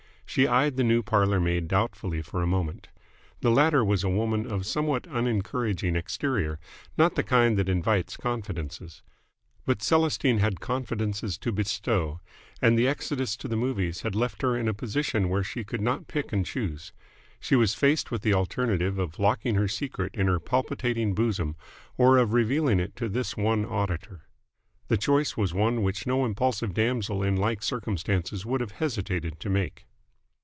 She eyed the new parlour maid doubtfully for a moment. The latter was a woman of somewhat unencouraging exterior, not the kind that invites confidences. But Celestine had confidences to bestow, and the exodus to the movies had left her in a position where she could not pick and choose. She was faced with the alternative of locking her secret in her palpitating bosom or of revealing it to this one auditor. The choice was one which no impulsive damsel in like circumstances would have hesitated to make.